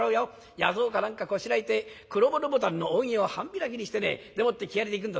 弥蔵か何かこしらえて黒骨牡丹の扇を半開きにしてねでもって木遣りで行くんだ